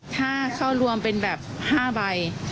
ถ้าเข้ารวมเป็นแบบ๕ใบ